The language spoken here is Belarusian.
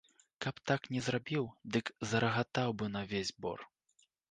Каб так не зрабіў, дык зарагатаў бы на ўвесь бор.